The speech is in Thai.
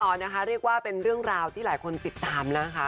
ต่อนะคะเรียกว่าเป็นเรื่องราวที่หลายคนติดตามนะคะ